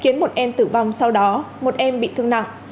khiến một em tử vong sau đó một em bị thương nặng